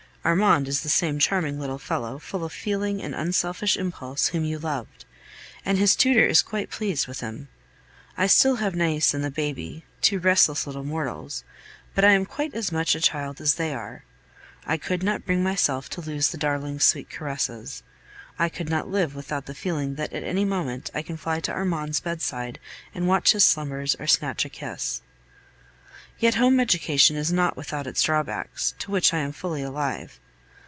Armand is the same charming little fellow, full of feeling and unselfish impulse, whom you loved; and his tutor is quite pleased with him. I still have Nais and the baby two restless little mortals but I am quite as much a child as they are. I could not bring myself to lose the darlings' sweet caresses. I could not live without the feeling that at any moment I can fly to Armand's bedside and watch his slumbers or snatch a kiss. Yet home education is not without its drawbacks, to which I am fully alive.